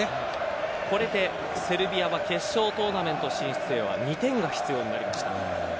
これでセルビアは決勝トーナメント進出へは２点が必要になりました。